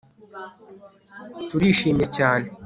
Turishimye cyane